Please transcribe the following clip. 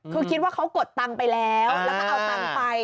คือคิดว่าเขากดตังค์ไปแล้วแล้วก็เอาตังค์ไป